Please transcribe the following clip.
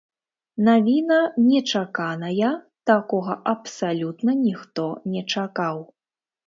Навіна нечаканая, такога абсалютна ніхто не чакаў.